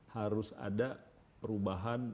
harus ada perubahan